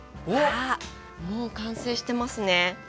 あっもう完成してますね。